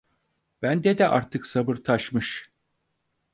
Bende de artık sabır taşmış.